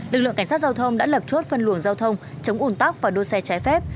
lực lượng cảnh sát giao thông đã lập chốt phân luồng giao thông chống ủn tắc và đua xe trái phép